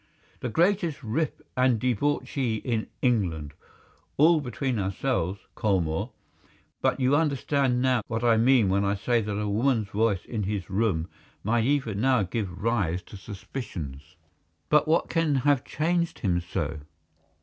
"The greatest rip and debauchee in England! All between ourselves, Colmore. But you understand now what I mean when I say that a woman's voice in his room might even now give rise to suspicions." "But what can have changed him so?"